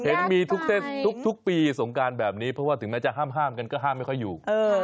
เห็นมีทุกปีสงการแบบนี้เพราะว่าถึงแม้จะห้ามกันก็ห้ามไม่ค่อยอยู่